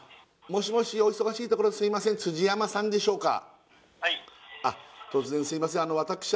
もしもしお忙しいところすいませんどうでしょうか？